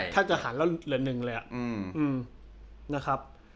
ถ้าจะหาเหลือหนึ่งเลยอ่ะ